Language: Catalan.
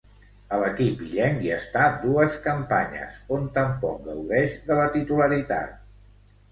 A l'equip illenc hi està dues campanyes, on tampoc gaudeix de la titularitat.